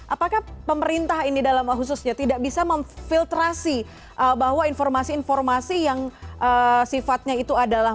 apakah pemerintah ini dalam khususnya tidak bisa memfiltrasi bahwa informasi informasi yang sifatnya itu adalah